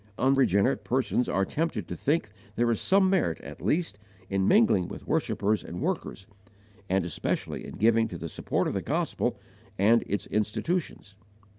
Unregenerate persons are tempted to think there is some merit at least in mingling with worshippers and workers, and especially in giving to the support of the gospel and its institutions.